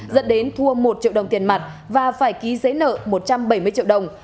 dẫn đến thua một triệu đồng tiền mặt và phải ký giấy nợ một trăm bảy mươi triệu đồng